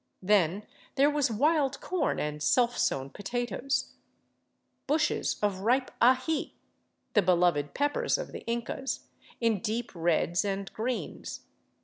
Then there was wild corn and self sown potatoes, bushes of ripe aji, the beloved peppers of the Incas, in deep reds and greens.